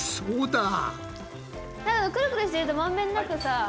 なんかクルクルしてるとまんべんなくさ。